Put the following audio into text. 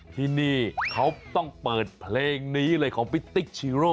ที่นี่เขาต้องเปิดเพลงนี้เลยของพี่ติ๊กชีโร่